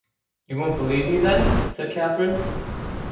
'You won’t believe me, then?’ said Catherine.